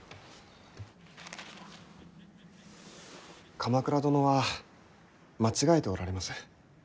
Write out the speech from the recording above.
鎌倉殿は間違えておられます。